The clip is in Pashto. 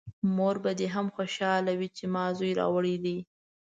مور به دې هم خوشحاله وي چې ما زوی راوړی دی!